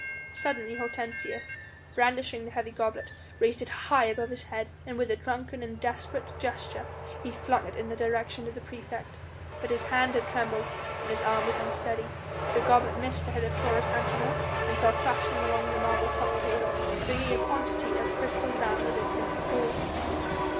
Suddenly Hortensius, brandishing the heavy goblet, raised it high above his head, and with a drunken and desperate gesture he flung it in the direction of the praefect, but his hand had trembled and his arm was unsteady. The goblet missed the head of Taurus Antinor and fell crashing along the marble topped table, bringing a quantity of crystal down with it in its fall.